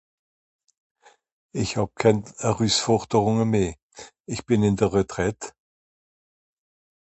Ìch hàb kèn Erüsforderùnge meh. Ìch bìn ìn de Retraite.